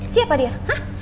siapa dia hah